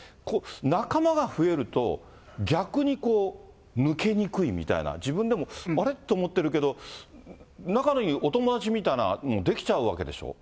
仲間が増えると、逆にこう、抜けにくいみたいな、自分でも、あれと思ってるけど、仲のいいお友達みたいの出来ちゃうわけでしょ。